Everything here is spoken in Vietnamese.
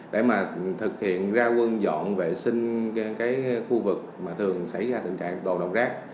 để thực hiện ra quân dọn vệ sinh khu vực mà thường xảy ra tình trạng đồ đồng rác